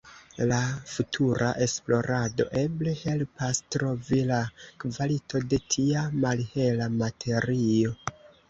La futura esplorado eble helpas trovi la kvalito de tia malhela materio.